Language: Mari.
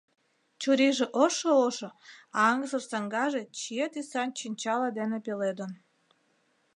Чурийже ошо-ошо, а аҥысыр саҥгаже чие тӱсан чӱнчала дене «пеледын».